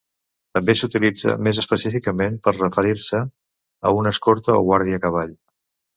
També s'utilitza més específicament per referir-se a un escorta o guàrdia a cavall.